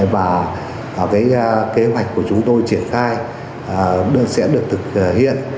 và cái kế hoạch của chúng tôi triển khai sẽ được thực hiện